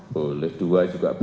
boleh dua juga boleh